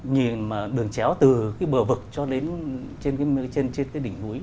nhìn mà đường chéo từ cái bờ vực cho đến trên cái đỉnh núi